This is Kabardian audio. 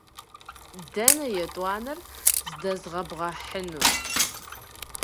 Дэнэ етӀуанэр здэзбгъэхьынур?